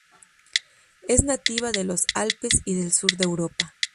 Es nativa de los Alpes y del sur de Europa.